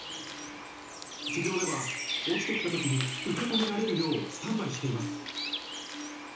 地上では、落ちてきたときに受け止められるようスタンバイしています。